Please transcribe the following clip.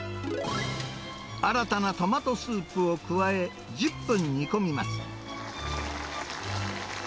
新たなトマトスープを加え、１０分煮込みます。